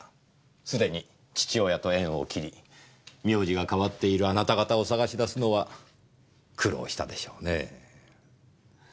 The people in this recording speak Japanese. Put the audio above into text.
すでに父親と縁を切り名字が変わっているあなた方を捜し出すのは苦労したでしょうねぇ。